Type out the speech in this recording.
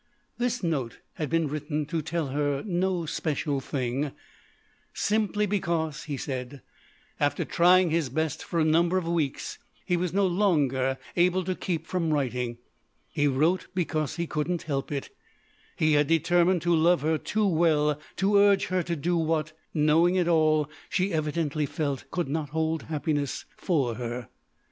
This note had been written to tell her no special thing; simply because, he said, after trying his best for a number of weeks, he was not longer able to keep from writing. He wrote because he couldn't help it. He had determined to love her too well to urge her to do what, knowing it all, she evidently felt could not hold happiness for her.